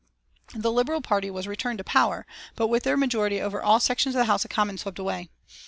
The Liberal Party was returned to power, but with their majority over all sections of the House of Commons swept away.